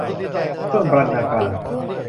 เครื่องบรรณาการ